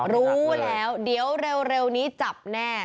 รู้แล้วเดี๋ยวเร็วนี้จับแน่